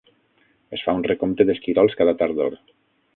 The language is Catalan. Es fa un recompte d'esquirols cada tardor.